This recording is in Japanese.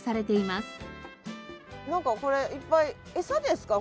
なんかこれいっぱい餌ですか？